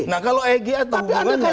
nah kalau egy ada hubungannya